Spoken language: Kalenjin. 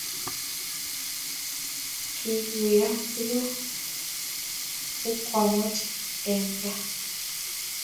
keguiye tuguk chekwamache eng tai?